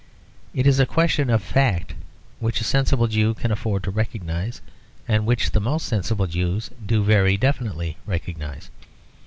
It is a question of fact, which a sensible Jew can afford to recognise, and which the most sensible Jews do very definitely recognise.